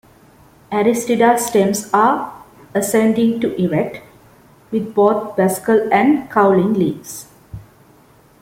"Aristida" stems are ascending to erect, with both basal and cauline leaves.